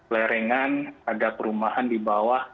lerengan ada perumahan di bawah